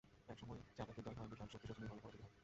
এক সময় চালাকীর জয় হয়, বিশাল শক্তি শোচনীয়ভাবে পরাজিত হয়।